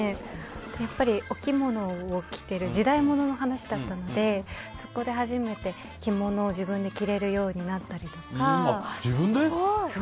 やっぱりお着物を着ている時代物の話だったのでそこで初めて着物を自分で着れるようになったりとか。